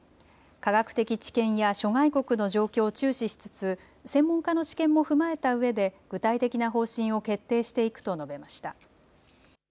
科学的知見や諸外国の状況を注視しつつ専門家の知見も踏まえたうえで具体的な方針を決定していくと述べました。